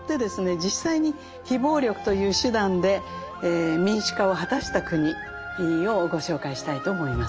実際に非暴力という手段で民主化を果たした国をご紹介したいと思います。